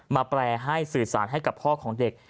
แปลให้สื่อสารให้กับพ่อของเด็ก